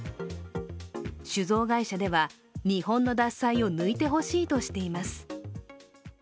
酒造会社では日本の獺祭を抜いてほしいとしています。